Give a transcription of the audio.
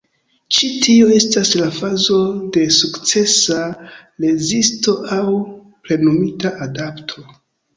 Ĉi tio estas la fazo de sukcesa rezisto aŭ „plenumita adapto.